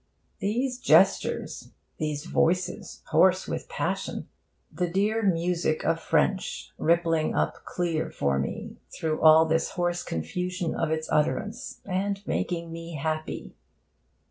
These gestures! These voices, hoarse with passion! The dear music of French, rippling up clear for me through all this hoarse confusion of its utterance, and making me happy!...